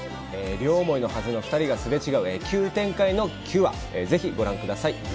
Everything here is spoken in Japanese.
両思いのはずの２人がすれ違う急展開の９話、ぜひご覧ください。